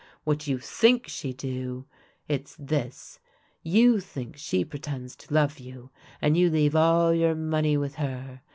What you ^/zt;?^ she do, it's this. You think she pretends to love you, and you leave all your money with her.